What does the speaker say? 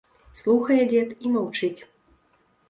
Слухае дзед і маўчыць.